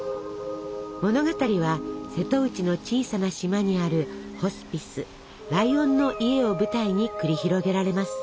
物語は瀬戸内の小さな島にあるホスピス「ライオンの家」を舞台に繰り広げられます。